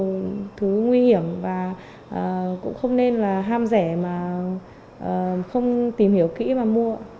hình thức này rất là nguy hiểm và cũng không nên ham rẻ mà không tìm hiểu kỹ mà mua